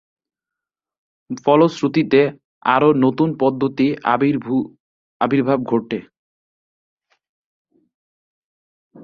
ফলশ্রুতিতে আরো নতুন পদ্ধতির আবির্ভাব ঘটে।